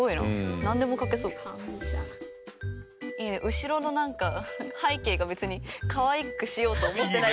後ろのなんか背景が別にかわいくしようと思ってない感じがいいですよね。